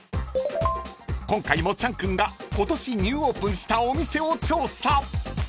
［今回もチャン君が今年ニューオープンしたお店を調査］